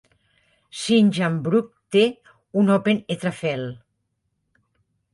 Sint Jansbrug té un "open eettafel".